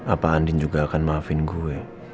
apa andin juga akan maafin gue